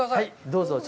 どうぞ。